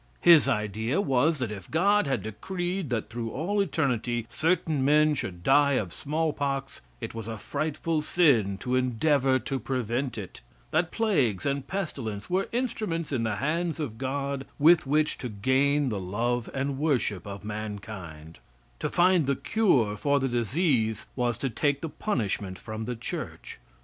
His idea was that if God had decreed that through all eternity certain men should die of small pox, it was a frightful sin to endeavor to prevent it; that plagues and pestilence were instruments in the hands of God with which to gain the love and worship of mankind; to find the cure for the disease was to take the punishment from the Church.